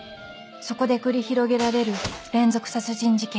そこで繰り広げられる連続殺人事件